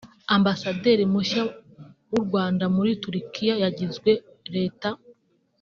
Ambasaderi mushya w’u Rwanda muri Turkiya yagizwe Lt